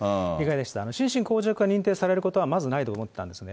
心神耗弱が認定されることはまずないと思ったんですね。